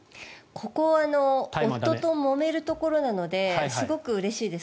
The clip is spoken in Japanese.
ここは夫ともめるところなのですごくうれしいです。